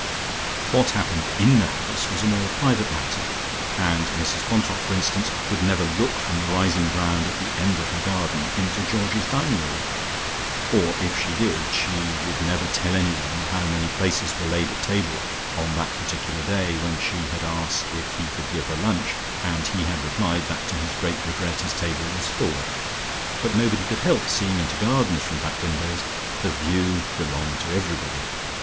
What happened in the house was a more private matter, and Mrs Quantock, for instance, would never look from the rising ground at the end of her garden into Georgie's dining room or, if she did she would never tell anyone how many places were laid at table on that particular day when she had asked if he could give her lunch, and he had replied that to his great regret his table was full. But nobody could help seeing into gardens from back windows: the "view" belonged to everybody.